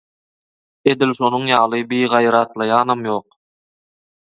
Edil şonuň ýaly bigaýratlaýanam ýok.